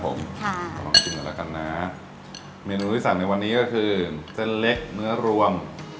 ขอบคุณกันแล้วกันนะเมนูที่สั่งในวันนี้ก็คือเส้นเล็กเนื้อรวม